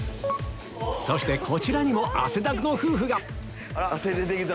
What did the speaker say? そしてこちらにも汗だくの夫婦が汗出てきた